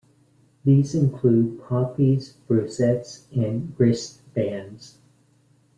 These include poppies, rosettes and wristbands.